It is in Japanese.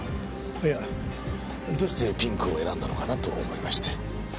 いやどうしてピンクを選んだのかな？と思いまして。